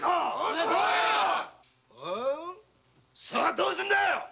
さぁどうするんだよ